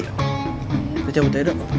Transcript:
kita cabut aja dong